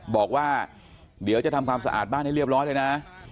บอกลายบ้านให้เรียบร้อยเลยนะ